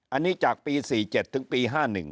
อันนี้จากปี๔๗ถึงปี๕๑